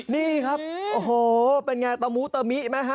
นี่ครับโอ้โหเป็นอย่างไรตะหมูตะมิไหม